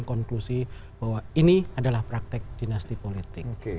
konklusi bahwa ini adalah praktek dinasti politik